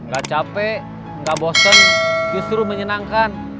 gak capek nggak bosen justru menyenangkan